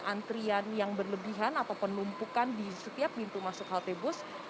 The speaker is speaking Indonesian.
antrian yang berlebihan atau penumpukan di setiap pintu masuk halte bus